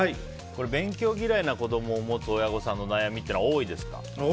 勉強嫌いな子を持つ親御さんの多いです。